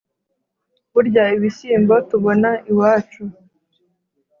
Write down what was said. burya ibishyimbo tubona iwacu